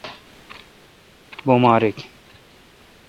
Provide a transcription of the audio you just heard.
بماریک۔